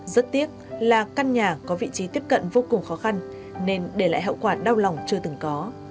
rất tiếc là căn nhà có vị trí tiếp cận vô cùng khó khăn nên để lại hậu quả đau lòng chưa từng có